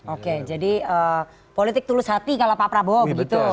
oke jadi politik tulus hati kalau pak prabowo begitu